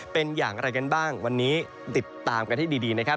เป็นอย่างไรกันบ้างวันนี้ติดตามกันให้ดีนะครับ